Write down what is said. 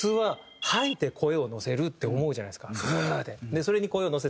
それに声を乗せて歌う。